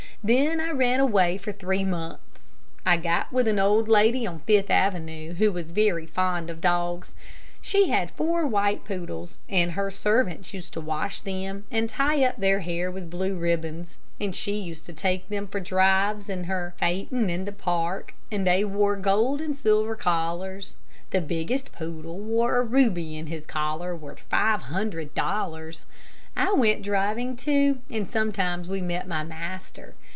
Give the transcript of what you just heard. Then I ran away for three months. I got with an old lady on Fifth Avenue, who was very fond of dogs. She had four white poodles, and her servants used to wash them, and tie up their hair with blue ribbons, and she used to take them for drives in her phaeton in the park, and they wore gold and silver collars. The biggest poodle wore a ruby in his collar worth five hundred dollars. I went driving, too, and sometimes we met my master.